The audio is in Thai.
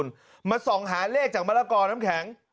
มาส่องหาเลขจากมะละกอน้ำแข็ง